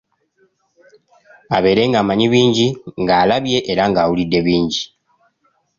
Abeere ng'amanyi bingi, ng'alabye era ng'awulidde bingi.